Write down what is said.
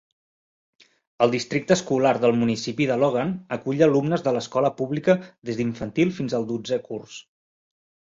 El districte escolar del municipi de Logan acull alumnes de l'escola pública des d'infantil fins al dotzè curs.